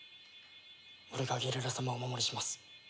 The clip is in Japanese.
俺がアギレラ様をお守りします。